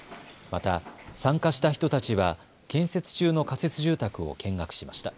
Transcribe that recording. また参加した人たちは建設中の仮設住宅を見学しました。